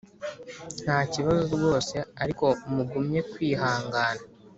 ntakibazo rwose ariko mugumye kwihangana,